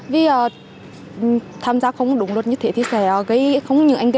vì tham gia không đúng luật như thế thì sẽ gây không những ảnh hưởng